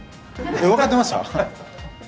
分かってました。